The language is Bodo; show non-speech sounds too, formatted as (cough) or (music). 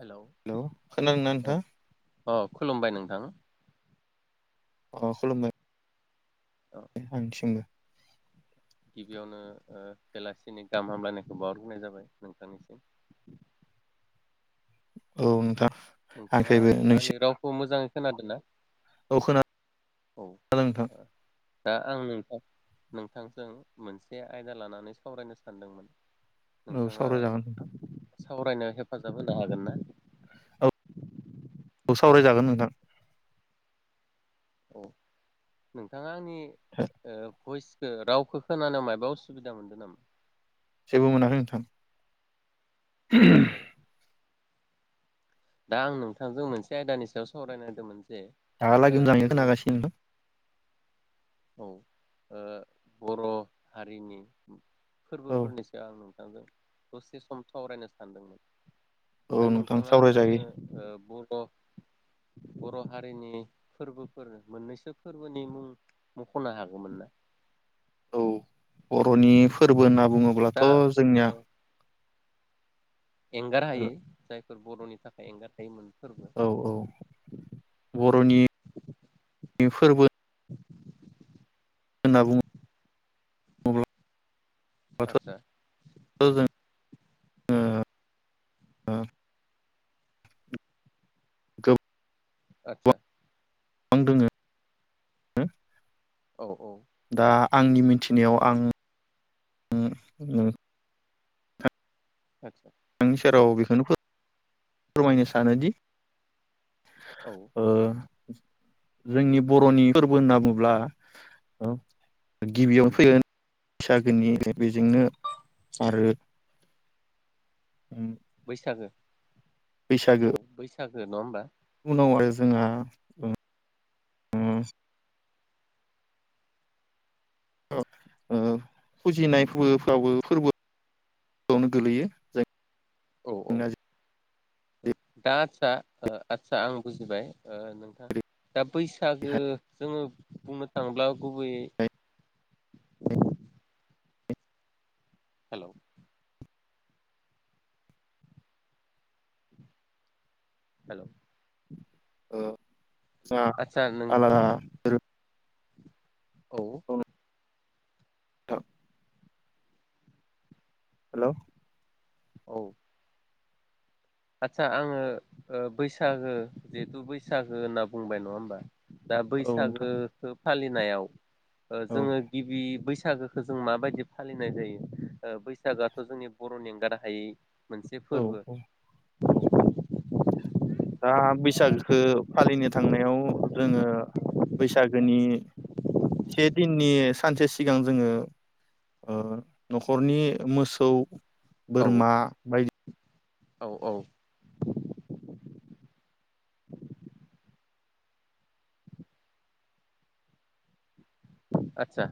हेलौ हेल' खोनादों ना नोंथां? अ खुलुमबाय नोंथां। अ खलुमबाय। औ दे आंथिंबो। गिबियावनो ओ बेलासिनि गाहाम हामलायनायखौ बावहर ग्रोनाय जाबाय नोंथांनिसिम। औ नोंथां। नोंथाङा आंनिफ्रायबो नोंसिम आंनि रावखौ मोजाङै खोनादो ना? औ खोना औ दा आं नोंथां नोंथांजों मोनसे आयदा लानानै सावरायनो सानदोंमोन। औ नोंथाङा सावरायजागोन नोंथां सावरायनायाव हे फाजाब होनो हागोन ना? औ औ सावरायजागोन नोंथां। औ नोंथाङा आंनि ओ भइस खो रावखो खोनानायाव मायाबा उसुबिदा मोनदो नामा? जेबो मोनाखै नोंथां। औ (inaudible) दा आं नोंथांजों मोनसे आयदानि सायाव सावराय नायदोमोन। दाहा लागै (unintelligible) खोनागासिनो दं। औ ओ बर' हारिनि औ फोरबोफोरनिसो आङो आङो दसे सम सावरायनो सानदोंमोन। दा औ नोंथां नोंथाङा आंनो सावरायजायो ओ बर' बर' हारिनि फोरबोफोर मोननैसो फोरबोनि मुं मख'नो हागोमोन ना? औ बर'नि फोरबो होनना बुङोब्लाथ' दा जोंनिया एंगारहायै जाय फोर बर'नि थाखाय एंगारहायै (unintelligible) औ औ बर'नि फोरबो होनना बुङो। बाथ' आदसा जों ओ (unintelligible) आतसा गोबां दोङो औ औ। दा आंनि मिथिनायाव आं उम उम आतसा (unintelligible) सेराव बेखौनो फोर फोरमायनो सानोदि औ ओ जोंनि बर'नि फोरबो होनना बुङोब्ला औ उम गिबियावनो फैगोन बैसागोनि बेजोंनो आरो बैसागो औ बैस सागो न'आ होमबा? औ आरो जोंहा उम उम ओ फुजिनाय फोरफ्राबो फोरबोआवनो गोलैयो जाय औ औ दा आथसा ओ आथसा आं बुजिबाय ओ नोंथां जेरैहाय दा बैसागो जोङो बुंनो थाङोब्ला गुबैयै हेल' हेल' ओ सा नों आलारा (unintelligible) औ थ' हेलौ औ आदसा आङो बैसागो जिथु बैसागो होनना बुंबाय नङा होमबा दा नोंथां बैसागो खोब फालिनायाव ओ औ जोङो गिबि बैसाग बैसागोखौ जों माबायदि फालिनाय जायो ओ बैसागोआथ' जोंनि बर'निं एंगार हायै मोनसे औ फोरबो औ औ दा बैसागोखौ फालिनो थांनायाव जोङो बैसागोनि से दिननि सानसे सिगां जोङो ओ न'खरनि मोसौ औ बोरमा बायदि औ औ आतसा।